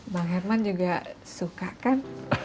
bang herman juga suka kan